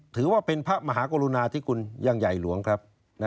ถือว่าเป็นพระมหากรุณาที่คุณยังใหญ่หลวงครับ